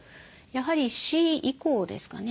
やはりＣ以降ですかね